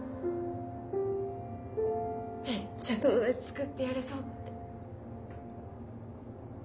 めっちゃ友達作ってやるぞって。